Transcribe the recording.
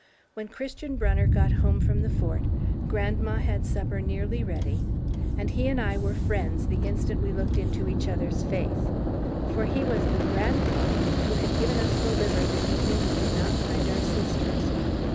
When Christian Brunner got home from the Fort, grandma had supper nearly ready, and he and I were friends the instant we looked into each other's face; for he was "grandpa" who had given us the liver the evening we did not find our sisters.